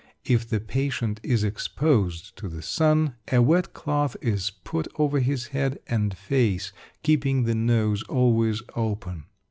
If the patient is exposed to the sun, a wet cloth is put over his head and face, keeping the nose always open.